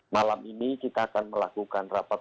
malam ini kita akan melakukan rapat